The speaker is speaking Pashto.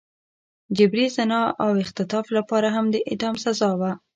د جبري زنا او اختطاف لپاره هم د اعدام سزا وه.